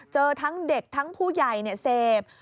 เจอทั้งเด็กทั้งผู้ใหญ่เสพ